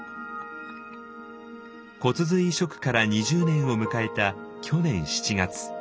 骨髄移植から２０年を迎えた去年７月。